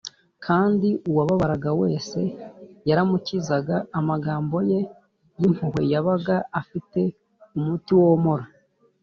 , kandi uwababaraga wese yaramukizaga; amagambo Ye y’impuhwe yabaga afite umuti womora.